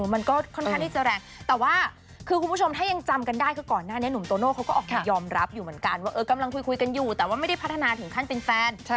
มันก็ค่อนข้างที่จะแรงแต่ว่าคือคุณผู้ชมถ้ายังจำกันได้คือก่อนหน้านี้หนุ่มโตโน่เขาก็ออกมายอมรับอยู่เหมือนกันว่ากำลังคุยกันอยู่แต่ว่าไม่ได้พัฒนาถึงขั้นเป็นแฟน